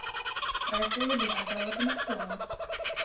فَيَصِيرُ بِالْعَدَاوَةِ مَأْثُورًا